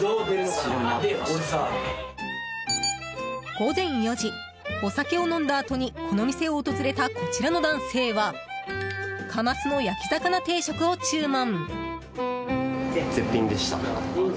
午前４時、お酒を飲んだあとにこの店を訪れた、こちらの男性はかますの焼き魚定食を注文。